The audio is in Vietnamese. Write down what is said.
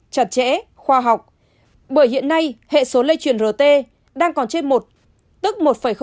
chặt chẽ khoa học bởi hiện nay hệ số lây chuyển rt đang còn trên một tức một ba